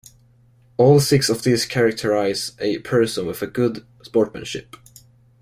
All six of these characterize a person with good sportsmanship.